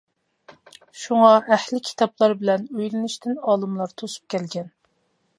شۇڭا ئەھلى كىتابلار بىلەن ئۆيلىنىشتىن ئالىملار توسۇپ كەلگەن.